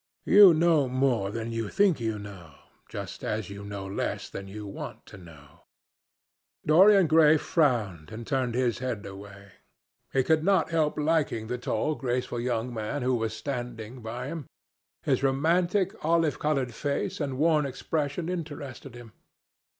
You know more than you think you know, just as you know less than you want to know." Dorian Gray frowned and turned his head away. He could not help liking the tall, graceful young man who was standing by him. His romantic, olive coloured face and worn expression interested him.